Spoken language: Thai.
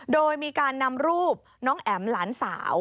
โดยมีการนำรูปน้องแอ๋มหลานสาว